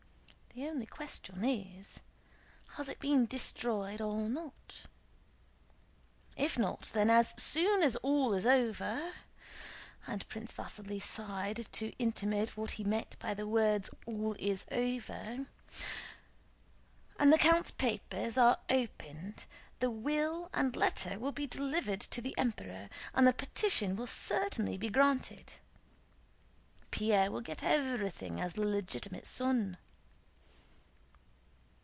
The only question is, has it been destroyed or not? If not, then as soon as all is over," and Prince Vasíli sighed to intimate what he meant by the words all is over, "and the count's papers are opened, the will and letter will be delivered to the Emperor, and the petition will certainly be granted. Pierre will get everything as the legitimate son."